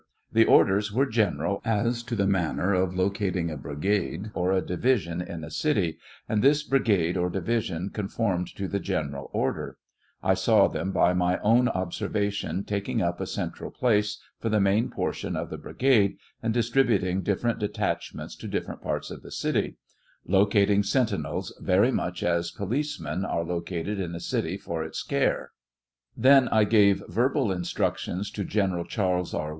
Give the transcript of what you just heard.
The orders were general as to the manner of lo cating a brigade or a division in a city, and this brigade or division conformed to the general order ; I saw them by my own observation, taking up a centi al place for the main portion of the brigade, and distributing different detachments to different parts of the city ; locating sentinels very much as policemen are located in a city for its care ; then I gave verbal instructions to General Charles E.